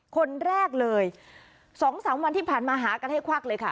คนแรกเลย๒๓วันที่ผ่านมาหากันให้ควักเลยค่ะ